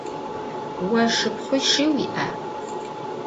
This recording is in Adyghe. Vo şşıpxhui şşi vui'a?